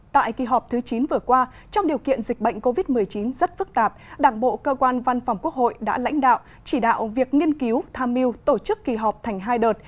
tại kỳ họp thứ chín vừa qua trong điều kiện dịch bệnh covid một mươi chín rất phức tạp đảng bộ cơ quan văn phòng quốc hội đã lãnh đạo chỉ đạo việc nghiên cứu tham mưu tổ chức kỳ họp thành hai đợt